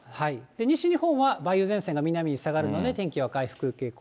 西日本は梅雨前線が南に下がるので、天気は回復傾向。